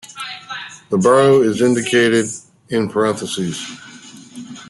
The borough is indicated in parentheses.